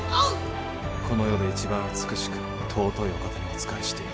この世で一番美しく尊いお方にお仕えしている。